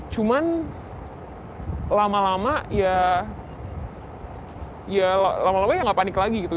cuman lama lama ya gak panik lagi